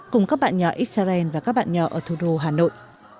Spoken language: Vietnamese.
cùng các bạn nhỏ israel và các bạn nhỏ ở thủ đô hà nội